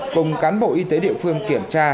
cùng cán bộ y tế địa phương kiểm tra